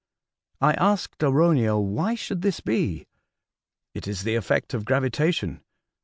I asked Arauniel why should this be. " It is the effect of gravita tion.